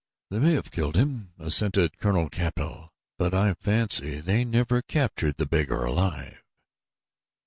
"They may have killed him," assented Colonel Capell; "but I fancy they never captured the beggar alive."